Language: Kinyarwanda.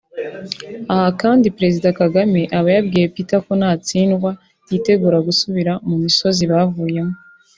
Aha kandi Perezida Kagame aba yabwiye Peter ko natsindwa yitegura gusubira mu misozi bavuyemo